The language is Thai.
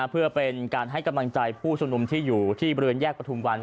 เพื่อเป็นการให้กำลังใจผู้ชุมนุมที่อยู่ที่บริเวณแยกประทุมวัน